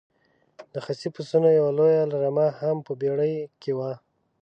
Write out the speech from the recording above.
د خسي پسونو یوه لویه رمه هم په بېړۍ کې وه.